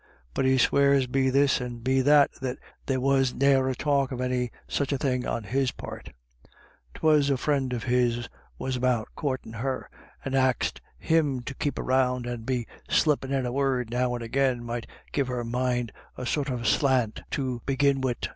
But he swears be this and be that there was ne'er a talk of any such a thing on his part 'Twas a frind of his was about coortin' her, and axed him to keep around and be slippin* in a word now and agin might give her mind a sort of slant to begin wid.